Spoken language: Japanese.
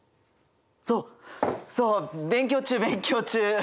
そうそう勉強中勉強中！